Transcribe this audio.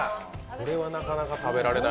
これはなかなか食べられない。